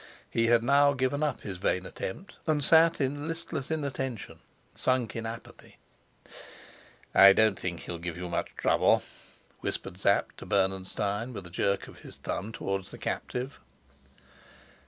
He had now given up his vain attempt, and sat in listless inattention, sunk in an apathy. "I don't think he'll give you much trouble," whispered Sapt to Bernenstein, with a jerk of his thumb towards the captive.